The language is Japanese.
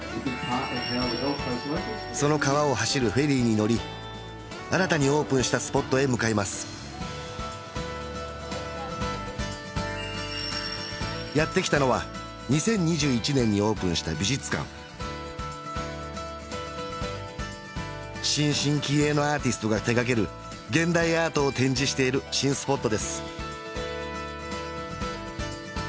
その川を走るフェリーに乗り新たにオープンしたスポットへ向かいますやってきたのは２０２１年にオープンした美術館新進気鋭のアーティストが手がける現代アートを展示している新スポットです